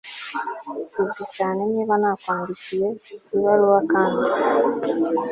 uzwi cyane, niba nakwandikiye ibaruwa kandi